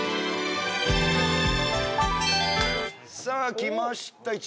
さあ来ました